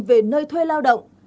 về nơi thuê lao động